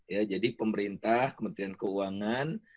ya jadi pemerintah kementerian keuangan